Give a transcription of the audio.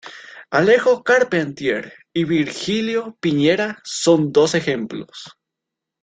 Alejo Carpentier y Virgilio Piñera son dos ejemplos.